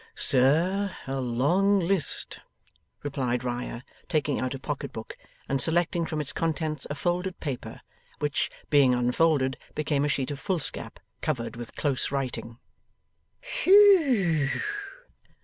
'Sir, a long list,' replied Riah, taking out a pocket book, and selecting from its contents a folded paper, which, being unfolded, became a sheet of foolscap covered with close writing. 'Whew!